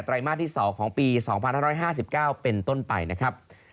มาสที่๒ของปี๒๕๕๙เป็นต้นไปนะครับ